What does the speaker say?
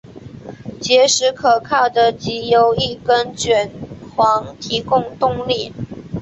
结实可靠的藉由一根卷簧提供动力。